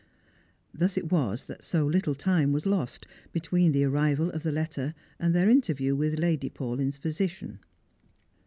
Thus it was that so little time was lost between the arrival of the letter and their interview with Lady Paulyn's physician.